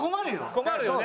困るよね。